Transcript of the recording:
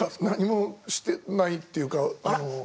何もしてないというか。